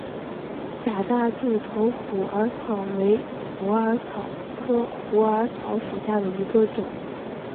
假大柱头虎耳草为虎耳草科虎耳草属下的一个种。